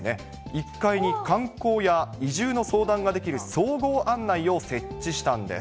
１階に観光や移住の相談ができる総合案内を設置したんです。